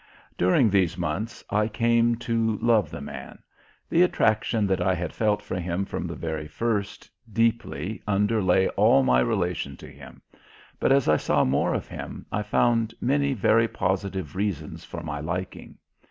During these months I came to love the man. The attraction that I had felt for him from the very first deeply underlay all my relation to him, but as I saw more of him I found many very positive reasons for my liking.